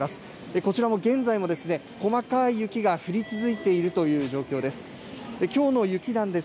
こちらも現在も細かい雪が降り続いているという状況です。